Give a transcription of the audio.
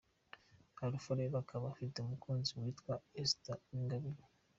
Alpha rero akaba afite umukunzi witwa Esther Uwingabire.